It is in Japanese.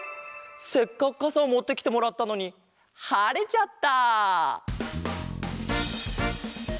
せっかくかさをもってきてもらったのにはれちゃった！